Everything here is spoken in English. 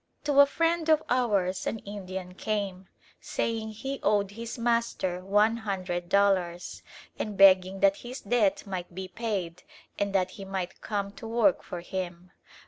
To a friend of ours an Indian came, saying he owed his master one hundred dollars, and begging that his debt might be paid and that he might come to work for him.